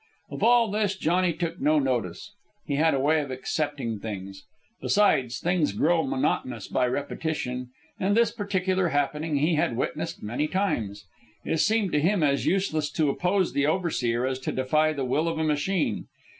Of all this Johnny took no notice. He had a way of accepting things. Besides, things grow monotonous by repetition, and this particular happening he had witnessed many times. It seemed to him as useless to oppose the overseer as to defy the will of a machine.